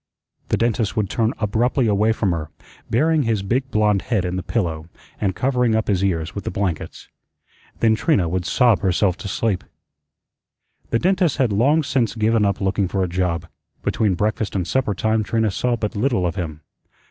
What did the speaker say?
The dentist would turn abruptly away from her, burying his big blond head in the pillow, and covering up his ears with the blankets. Then Trina would sob herself to sleep. The dentist had long since given up looking for a job. Between breakfast and supper time Trina saw but little of him.